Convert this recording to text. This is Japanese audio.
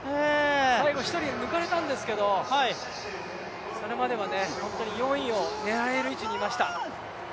最後１人抜かれたんですけど、それまでは本当に４位を狙える位置にいました。